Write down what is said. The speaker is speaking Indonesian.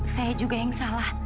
saya juga yang salah